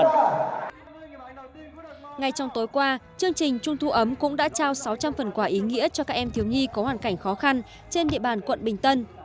ngay trong tối qua chương trình trung thu ấm cũng đã trao sáu trăm linh phần quả ý nghĩa cho các em thiếu nhi có hoàn cảnh khó khăn trên địa bàn quận bình tân